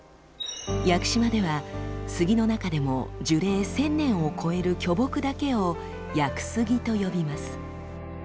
屋久島では杉の中でも樹齢１０００年を超える巨木だけを屋久杉と呼びます。